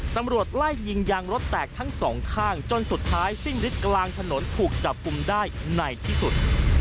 ตำรวจไล่ยิงยางรถแตกทั้งสองข้างจนสุดท้ายสิ้นฤทธิ์กลางถนนถูกจับกลุ่มได้ในที่สุด